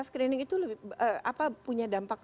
screening itu punya dampak